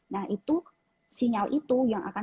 nah itu sinyal itu yang akan